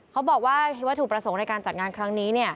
เขาบอกว่าวัตถุประสงค์ในการจัดงานครั้งนี้